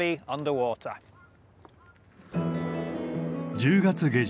１０月下旬